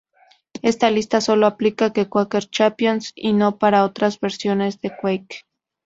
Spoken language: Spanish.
Esta lista solo aplica para Quake Champions y no para otras versiones de Quake.